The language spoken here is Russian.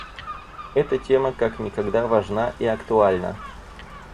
Эта тема как никогда важна и актуальна.